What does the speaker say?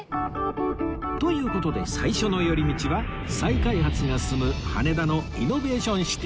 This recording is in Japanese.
という事で最初の寄り道は再開発が進む羽田のイノベーションシティ